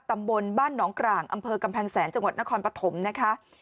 ตำบลบ้านหนองกลางอำเภอกำแพงแสนจังหวัดนครปฐมนะคะ